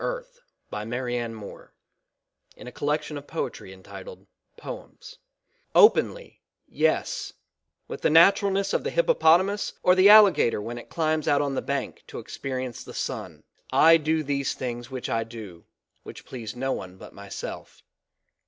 POEMS BY MARIANNE MOORE BLACK EARTH Openly, yes, with the naturalness of the hippopotamus or the alligator when it climbs out on the bank to experience the sun, I do these things which I do, which please no one but myself.